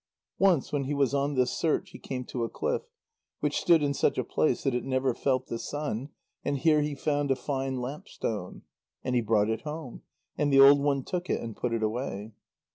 Once when he was on this search, he came to a cliff, which stood in such a place that it never felt the sun, and here he found a fine lamp stone. And he brought it home, and the old one took it and put it away.